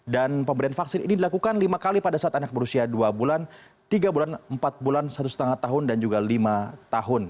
dan pemberian vaksin ini dilakukan lima kali pada saat anak berusia dua bulan tiga bulan empat bulan satu lima tahun dan juga lima tahun